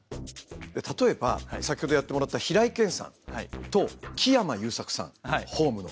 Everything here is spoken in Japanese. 例えば先ほどやってもらった平井堅さんと木山裕策さん「ｈｏｍｅ」の。